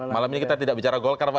malam ini kita tidak bicara golkar pak